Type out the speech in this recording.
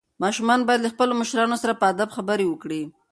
ماشومان باید له خپلو مشرانو سره په ادب خبرې وکړي.